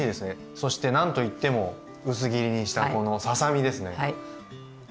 そして何といっても薄切りにしたこのささ身ですね。